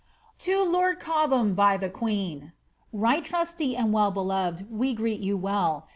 •* To Lord Cobham, by the Queen. " Right trusty and well beloved, we greet you well.